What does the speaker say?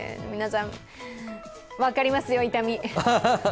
皆さん、分かりますよ、痛み。